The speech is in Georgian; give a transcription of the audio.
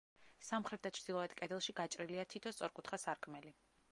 სამხრეთ და ჩრდილოეთ კედელში გაჭრილია თითო სწორკუთხა სარკმელი.